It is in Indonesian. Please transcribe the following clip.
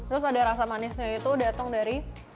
terus ada rasa manisnya itu datang dari